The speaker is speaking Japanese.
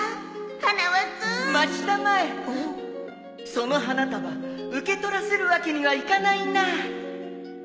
その花束受け取らせるわけにはいかないな